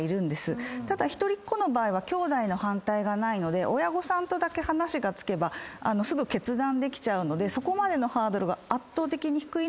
ただ一人っ子の場合はきょうだいの反対がないので親御さんとだけ話がつけばすぐ決断できちゃうのでそこまでのハードルが圧倒的に低いのが一人っ子です。